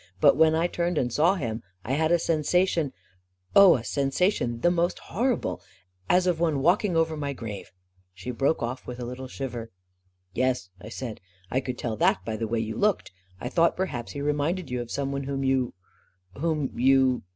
44 But when I turned and saw him, I had a sensation — oh, a sensation the most horrible — as of one walking over my grave ..." She broke off with a little shiver. 44 Yes," I said ;" I could tell that by the way you looked. I thought perhaps he reminded you of some one whom you — whom you